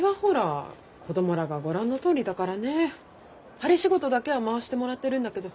針仕事だけは回してもらってるんだけど。